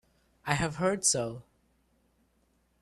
I have heard so.